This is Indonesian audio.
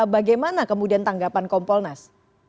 bagaimana kemudian tanggapan kompolnas